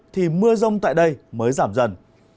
thì mưa rong tại đây mới giảm dần